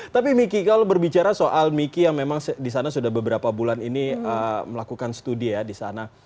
tapi miki kalau lo berbicara soal miki yang memang di sana sudah beberapa bulan ini melakukan studi ya di sana